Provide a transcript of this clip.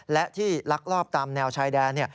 และที่ลักลอบตามแนวชายแดน